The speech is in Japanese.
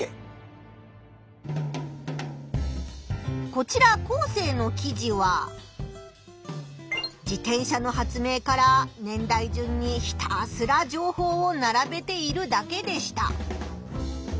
こちらコウセイの記事は自転車の発明から年代順にひたすら情報を並べているだけでした。